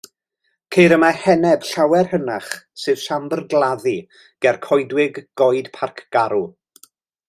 Ceir yma heneb llawer hynach, sef siambr gladdu ger coedwig Goed Parc Garw.